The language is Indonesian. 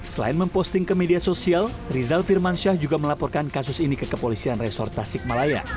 selain memposting ke media sosial rizal firmansyah juga melaporkan kasus ini ke kepolisian resort tasikmalaya